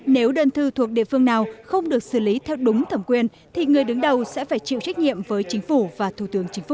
nếu đơn thư thuộc địa phương nào không được xử lý theo đúng thẩm quyền thì người đứng đầu sẽ phải chịu trách nhiệm với chính phủ và thủ tướng chính phủ